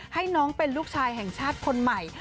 ให้น้องเป็นลูกชายแห่งชาติคนใหม่